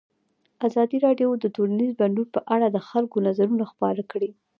ازادي راډیو د ټولنیز بدلون په اړه د خلکو نظرونه خپاره کړي.